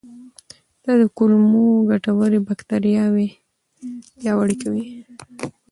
دا د کولمو ګټورې باکتریاوې پیاوړې کوي.